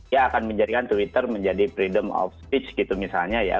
ya akan menjadikan twitter menjadi freedom of speech gitu misalnya ya